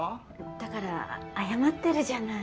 だから謝ってるじゃない。